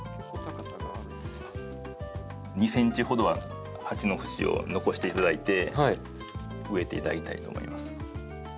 ２ｃｍほどは鉢の縁を残していただいて植えていただきたいと思います。